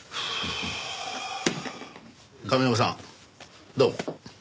亀山さんどうも。